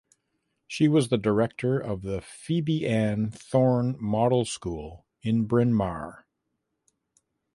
She was director of the Phebe Ann Thorne Model School in Bryn Mawr.